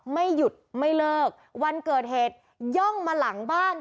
ไม่หยุดไม่เลิกวันเกิดเหตุย่องมาหลังบ้าน